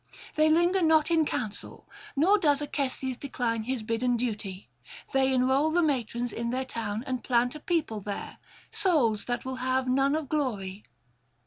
They linger not in counsel, nor does Acestes decline his bidden duty: they enrol the matrons in their town, and plant a people there, souls that will have none of glory.